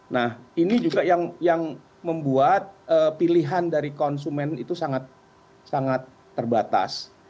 nah ini juga yang membuat pilihan dari konsumen itu sangat terbatas